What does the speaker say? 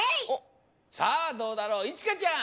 さあどうだろういちかちゃん。